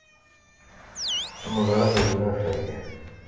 Neẓra-t deg unafag.